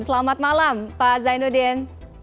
selamat malam pak zainuddin